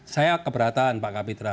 saya keberatan pak kapitra